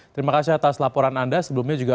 terima kasih atas laporan anda sebelumnya juga